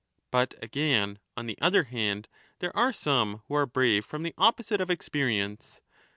But again, on the other hand, there are some who are brave from the opposite of experience.